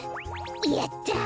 やった！